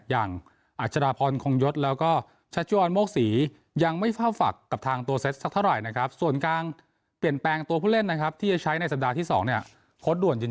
อย่างอัชราพรคงยศแล้วก็ชาติออนโมก๔